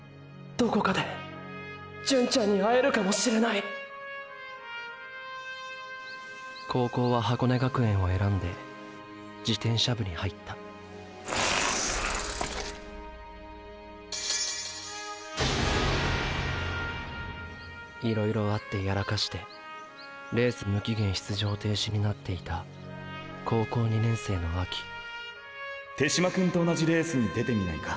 どこかで純ちゃんに会えるかもしれない高校は箱根学園を選んで自転車部に入ったいろいろあってやらかしてレース無期限出場停止になっていた高校２年生の秋手嶋くんと同じレースに出てみないか。